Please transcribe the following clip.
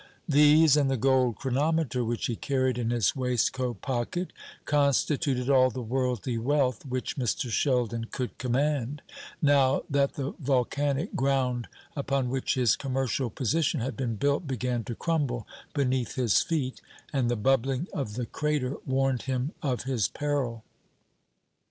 These, and the gold chronometer which he carried in his waistcoat pocket, constituted all the worldly wealth which Mr. Sheldon could command, now that the volcanic ground upon which his commercial position had been built began to crumble beneath his feet, and the bubbling of the crater warned him of his peril.